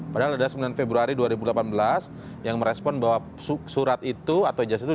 padahal ada sembilan februari dua ribu delapan belas yang merespon bahwa surat itu atau ijazah itu